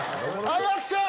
アクション！